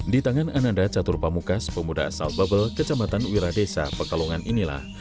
di tangan ananda catur pamukas pemuda asal babel kecamatan wiradesa pekalongan inilah